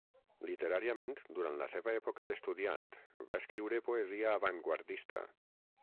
Literàriament, durant la seva època d'estudiant, va escriure poesia avantguardista.